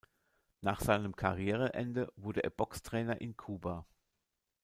Nach seinem Karriereende wurde er Boxtrainer in Kuba.